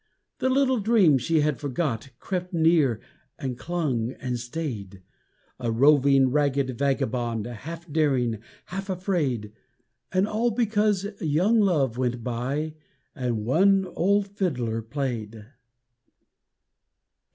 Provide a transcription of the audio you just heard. The little dream she had forgot Crept near and clung and stayed A roving, ragged vagabond Half daring, half afraid, And all because young love went by And one old fiddler played.